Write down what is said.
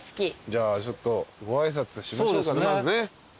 じゃあちょっとご挨拶しましょうかねまずね。